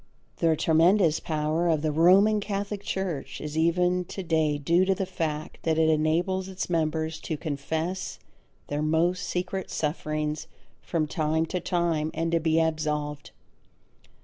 The tremendous power of the Roman Catholic Church is even to day due to the fact that it enables its members to confess their most secret sufferings from time to time and to be absolved.